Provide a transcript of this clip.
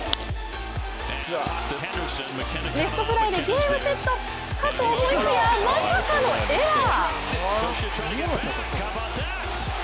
レフトフライでゲームセットかと思いきや、まさかのエラー。